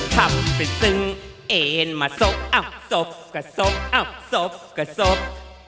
ทำเป็นซึงเอ็นมาสบสบก็สบสบก็สบ